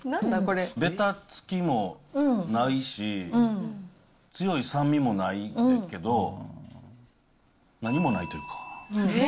べたつきもないし、強い酸味もないけど、何もないというか。